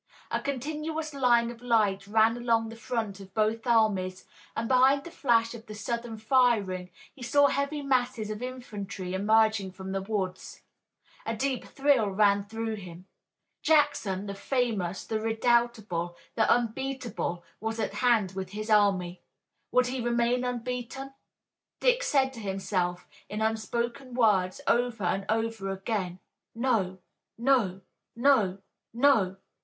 A continuous line of light ran along the front of both armies, and behind the flash of the Southern firing he saw heavy masses of infantry emerging from the woods. A deep thrill ran through him. Jackson, the famous, the redoubtable, the unbeatable, was at hand with his army. Would he remain unbeaten? Dick said to himself, in unspoken words, over and over again, "No! No! No! No!"